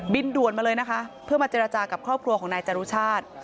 ด่วนมาเลยนะคะเพื่อมาเจรจากับครอบครัวของนายจรุชาติ